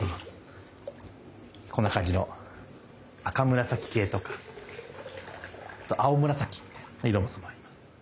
こんな感じの赤紫系とかあと青紫みたいな色も染まります。